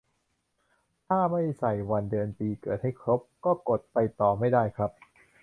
ถ้าไม่ใส่วัน เดือน ปีเกิดให้ครบ ก็กดไปต่อไม่ได้ครับ